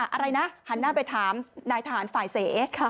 อะไรนะหันหน้าไปถามนายทหารฝ่ายเส